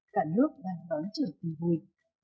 cả nước đang đón trưởng tình hùi